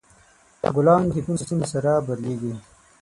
ګلان د فصلونو سره بدلیږي.